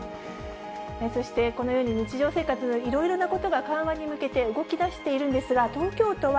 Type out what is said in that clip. そしてこのように、日常生活のいろいろなことが緩和に向けて動きだしているんですが、東京都は